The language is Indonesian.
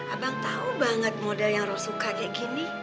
abang tau banget model yang rho suka kayak gini